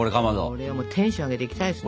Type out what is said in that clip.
これはテンション上げていきたいですね。